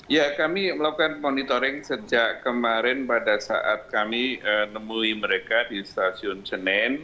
ya kami melakukan monitoring sejak kemarin pada saat kami nemui mereka di stasiun senen